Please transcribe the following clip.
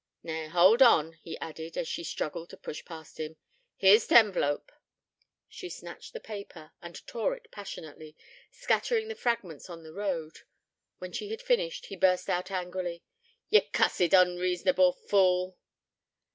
Nay, hould on,' he added, as she struggled to push past him. 'Here's t' envelope.' She snatched the paper, and tore it passionately, scattering the fragments on to the road. When she had finished, he burst out angrily: 'Ye cussed, unreasonable fool.'